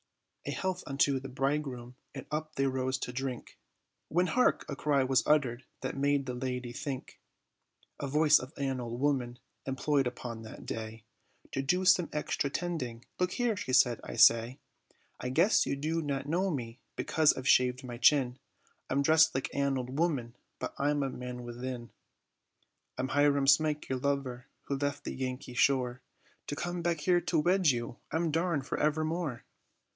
"A health unto the bridegroom," and up they rose to drink; When hark! a cry was uttered that made the lady think; A voice of an old woman, employed upon that day, To do some extra tending, "look here," said she, "I say, I guess you do not know me because I've shaved my chin, I'm dressed like an old woman, but I'm a man within; I'm Hiram Smike, your lover, who left the Yankee shore, To come back here to wed you, I'm darned for evermore.